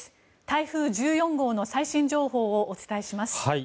台風１４号の最新情報をお伝えします。